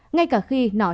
ngay cả khi nó